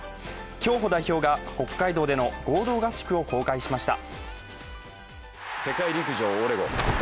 競歩代表が、北海道での合同合宿を公開しました。